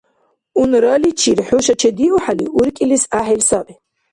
Унраличир хӀуша чедиухӀели, уркӀилис гӀяхӀил саби.